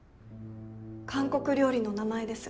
韓国料理の名前です。